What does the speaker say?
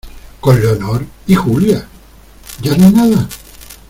con Leonor. ¿ y Julia? ¿ ya no hay nada ?